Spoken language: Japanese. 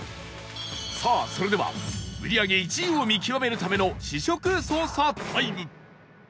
さあそれでは売り上げ１位を見極めるための試食捜査タイム